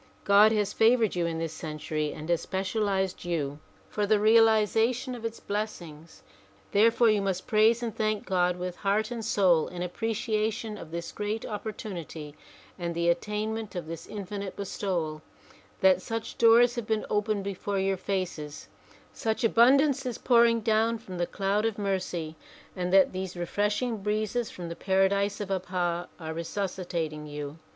God has favored you in this century and has specialized you for the reali zation of its blessings. Therefore you must praise and thank God with heart and soul in appreciation of this great opportunity and the attainment of this infinite bestowal ; that such doors have been opened before your faces, such abundance is pouring down from the cloud of mercy and that these refreshing breezes from the paradise of Abha are resuscitating you.